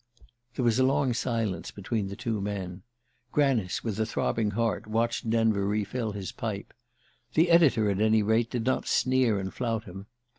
There was a long silence between the two men. Granice, with a throbbing heart, watched Denver refill his pipe. The editor, at any rate, did not sneer and flout him.